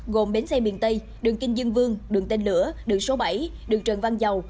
gồm bến xe miền tây đường kinh dương vương đường tên lửa đường số bảy đường trần văn dầu